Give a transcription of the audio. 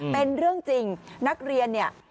เป็นเรื่องจริงนักเรียนเนี่ย